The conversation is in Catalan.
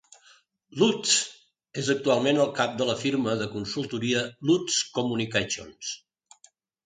Lutz és actualment el cap de la firma de consultoria Lutz Communications.